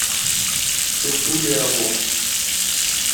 Lo studio era vuoto.